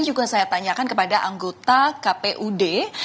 juga saya tanyakan kepada anggota kpud